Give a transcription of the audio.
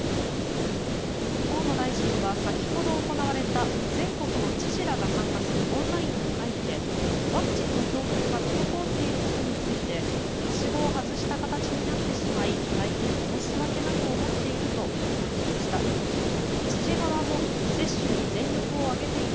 河野大臣は先ほど行われた全国の知事らが参加するオンラインの会議でワクチンの供給が滞っていることについてはしごを外した形になってしまい大変申し訳なく思っていると謝罪しました。